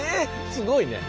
すごいねん。